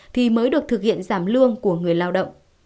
thì mới được thực hiện giảm lương của người lao động